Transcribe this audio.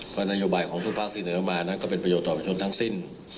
เพราะนโยบายของทุกภาคที่เสนอมานั้นก็เป็นประโยชนต่อประชนทั้งสิ้น